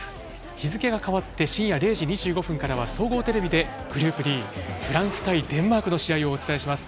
日付が変わって深夜０時２５分からは総合テレビで、グループＤフランス対デンマークの試合をお伝えします。